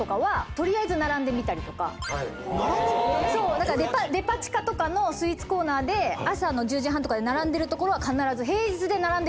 だからデパ地下とかのスイーツコーナーで朝の１０時半とかで並んでる所は必ず。